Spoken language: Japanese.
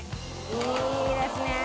いいですね。